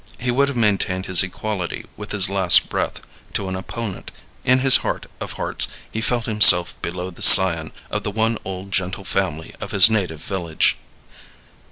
He would have maintained his equality with his last breath to an opponent; in his heart of hearts he felt himself below the scion of the one old gentle family of his native village.